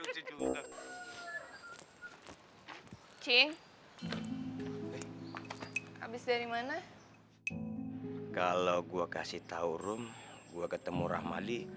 cing habis dari mana kalau gua kasih tahu room gua ketemu rahmali